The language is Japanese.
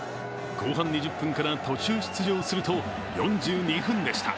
後半２０分から途中出場すると４２分でした。